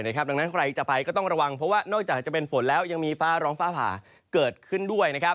ดังนั้นใครจะไปก็ต้องระวังเพราะว่านอกจากจะเป็นฝนแล้วยังมีฟ้าร้องฟ้าผ่าเกิดขึ้นด้วย